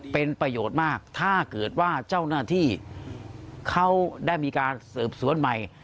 เป็นประโยชน์มากถ้าเกิดว่าเจ้าหน้าที่เขาได้มีการสืบสวนใหม่